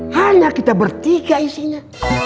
hanya kita bertiga isinya